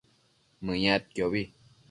Mëyadquiobi